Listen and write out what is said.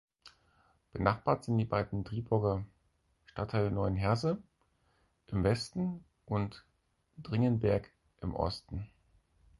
Benachbart sind die beiden Driburger Stadtteile Neuenheerse im Westen und Dringenberg im Osten.